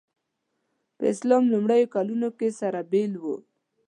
په اسلام لومړیو کلونو کې سره بېل وو.